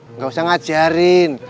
enggak usah ngajarin